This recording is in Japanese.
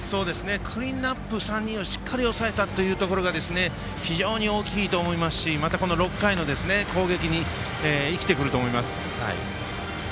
クリーンアップ、３人をしっかり抑えたというところが非常に大きいと思いますしまた、この６回の攻撃に生きてくると思います。